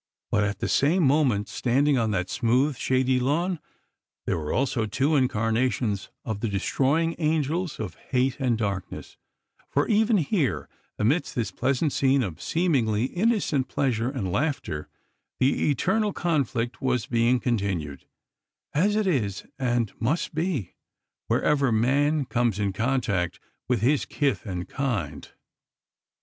But at the same moment, standing on that smooth, shady lawn, there were also two incarnations of the destroying angels of Hate and Darkness, for even here, amidst this pleasant scene of seemingly innocent pleasure and laughter, the Eternal Conflict was being continued, as it is and must be, wherever man comes in contact with his kith and kind.